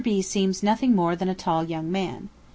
B. seems nothing more than a tall young man.